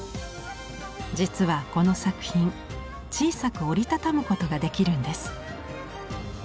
実はこの作品小さく折り畳むことができるんです。